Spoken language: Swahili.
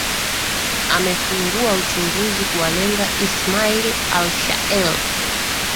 amefunguwa uchunguzi kuwalenga ismail al shael